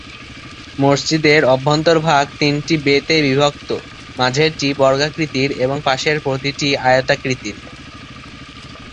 মসজিদের অভ্যন্তরভাগ তিনটি ‘বে’তে বিভক্ত মাঝেরটি বর্গাকৃতির এবং পাশের প্রতিটি আয়তাকৃতির।